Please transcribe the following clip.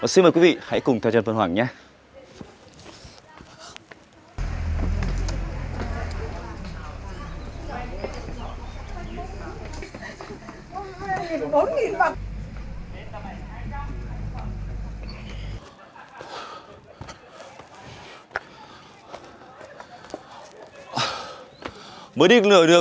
xin mời quý vị hãy cùng theo chân phan hoàng nhé